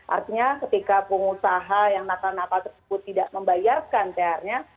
artinya ketika pengusaha yang nakal nakal tersebut tidak membayarkan thr nya